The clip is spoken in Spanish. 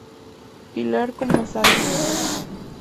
Pilar Comesaña.